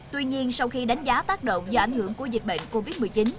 tuy nhiên sau khi đánh giá tác động do ảnh hưởng của dịch bệnh covid một mươi chín